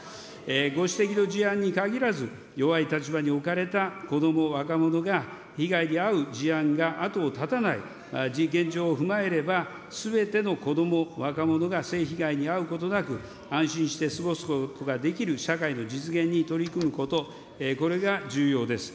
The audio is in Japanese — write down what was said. ご指摘の事案に限らず、弱い立場に置かれた子ども、若者が被害に遭う事案が後を絶たない、人権状況を踏まえれば、すべての子ども、若者が性被害に遭うことなく、安心して過ごすことができる社会の実現に取り組むこと、これが重要です。